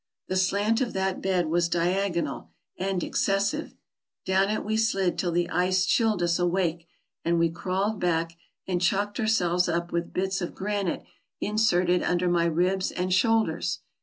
The slant of that bed was diagonal and excessive ; down it we slid till the ice chilled us awake, and we crawled back and chocked ourselves up with bits of granite inserted under my ribs and shoulders.